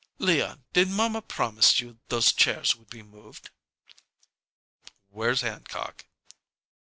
"Leon, did mamma promise you those chairs would be moved?" "Where's Hancock?"